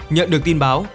nhận được tin báo